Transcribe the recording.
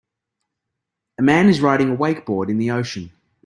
A man is riding a wakeboard in the ocean.